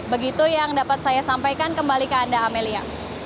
begitu yang dapat saya sampaikan kembali ke anda amelia